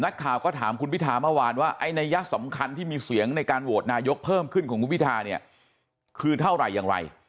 นักข่าวก็ถามคุณพิธาเมื่อวานว่าไอ้นัยยะสำคัญที่มีเสียงในการโหวตนายกเพิ่มขึ้นของคุณพิธาเนี่ยคือเท่าไหร่อย่างไร